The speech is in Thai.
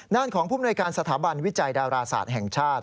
ด้านของผู้มนวยการสถาบันวิจัยดาราศาสตร์แห่งชาติ